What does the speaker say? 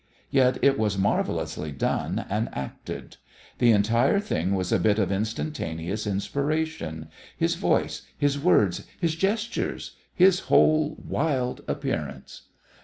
Yet it was marvellously done and acted. The entire thing was a bit of instantaneous inspiration his voice, his words, his gestures, his whole wild appearance.